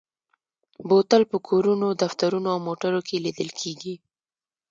بوتل په کورونو، دفترونو او موټرو کې لیدل کېږي.